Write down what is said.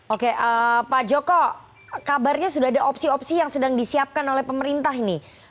oke pak joko kabarnya sudah ada opsi opsi yang sedang disiapkan oleh pemerintah ini